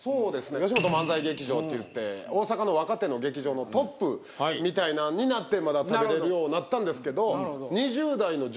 よしもと漫才劇場っていって大阪の若手の劇場のトップみたいなんになって食べれるようになったんですけど。